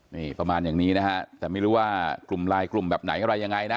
นี่ประมาณอย่างนี้นะฮะแต่ไม่รู้ว่ากลุ่มไลน์กลุ่มแบบไหนอะไรยังไงนะ